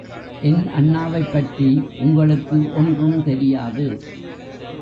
என் அண்ணாவைப்பற்றி உங்களுக்கு ஒன்றும் தெரியாது.